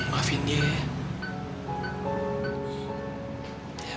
maafin dia ya